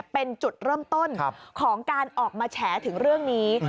เป็นจุดเริ่มต้นของการออกมาแฉถึงเรื่องนี้